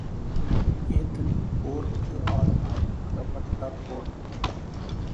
ஏதன் போர்க்கு ஆதனாய் அகப்பட்டாற்போல்.